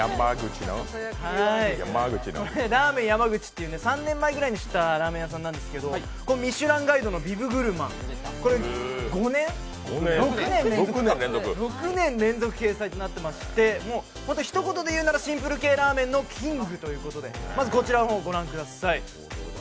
らぁ麺やまぐちという３年前ぐらいに知ったラーメン屋さんなんですけどミシュランガイドのビブグルマン、６年連続掲載となっていまして、ひと言で言うならシンプル系ラーメンのキングということで、まずこちらをご覧ください。